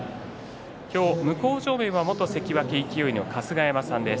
向正面は元関脇勢の春日山さんです。